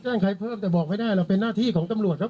ใครเพิ่มแต่บอกไม่ได้เราเป็นหน้าที่ของตำรวจครับ